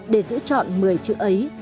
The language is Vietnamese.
để giữ chọn một mươi chữ ấy